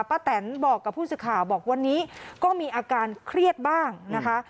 แตนบอกกับผู้สื่อข่าวบอกวันนี้ก็มีอาการเครียดบ้างนะคะ